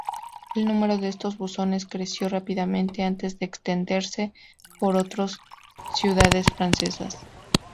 El número de estos buzones creció rápidamente antes de extenderse por otros ciudades francesas.